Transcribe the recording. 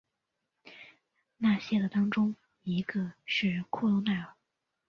那些的当中一个是库路耐尔。